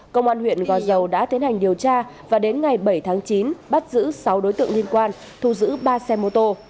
công an huyện gò dầu đã tiến hành điều tra và đến ngày bảy tháng chín bắt giữ sáu đối tượng liên quan thu giữ ba xe mô tô